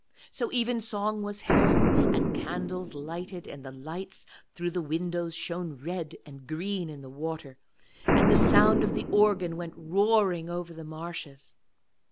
So evensong was held, and candles lighted, and the lights through the windows shone red and green in the water, and the sound of the organ went roaring over the marshes.